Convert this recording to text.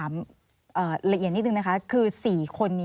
มีสองแบบ